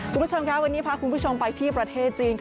คุณผู้ชมค่ะวันนี้พาคุณผู้ชมไปที่ประเทศจีน